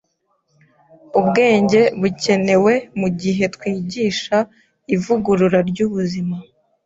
Ubwenge Bukenewe mu Gihe Twigisha Ivugurura ry’Ubuzima